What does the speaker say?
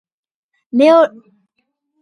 მეორე სართულზე ლითონის კიბე ადის.